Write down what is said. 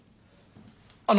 あの。